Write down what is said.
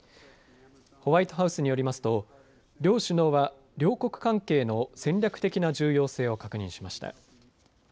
ホワイトハウスによりますと両首脳は両国関係の戦略的な重要性を確認しました。